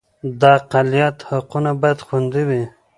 د اقلیت حقونه باید خوندي وي